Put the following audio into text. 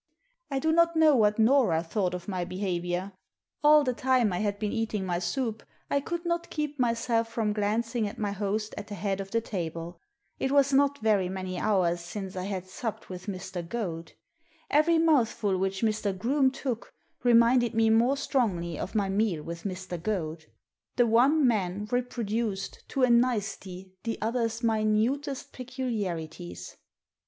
I do not know what Nora thought of my behaviour. All the time I had been eating my soup I could not keep myself from glancing at my host at the head of the tabla It was not very many hours since I had Digitized by VjOOQIC A DOUBLE MINDED GENTLEMAN 231 supped with Mr. Goad. Every mouthful which Mr. Groome took reminded me more strongly of my meal with Mr. Goad. The one man reproduced, to a nicety, the other's minutest peculiarities.